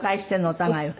お互いを。